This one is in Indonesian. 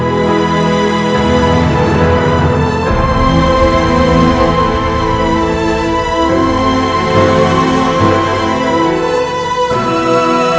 dan izinkan hamba